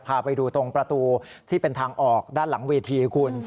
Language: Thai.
พาไปดูตรงประตูที่เป็นทางออกด้านหลังเวทีคุณ